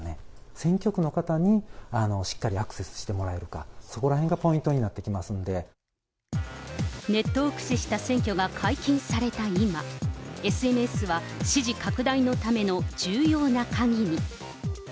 選挙区の方にしっかりアクセスしてもらえるか、そこらへんがポイネットを駆使した選挙が解禁された今、ＳＮＳは支持拡大のための重要な鍵に。